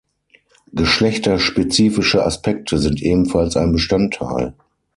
Geschlechterspezifische Aspekte sind ebenfalls ein Bestandteil.